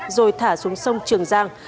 rồi thả xuống sông trường giang